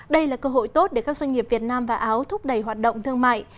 đây là cơ hội tốt để các doanh nghiệp việt nam và áo thúc đẩy hoạt động thương mại